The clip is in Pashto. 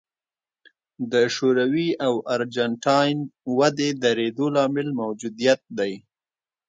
د شوروي او ارجنټاین ودې درېدو لامل موجودیت دی.